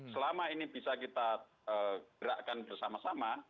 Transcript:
selama ini bisa kita gerakkan bersama sama